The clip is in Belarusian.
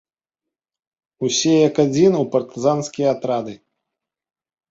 Усе, як адзін, у партызанскія атрады!